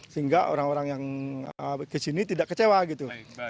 sehingga orang orang yang kesini tidak kecewa gitu